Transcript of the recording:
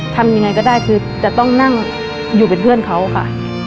ทำยังไงก็ได้คือจะต้องนั่งอยู่เป็นเพื่อนเขาค่ะ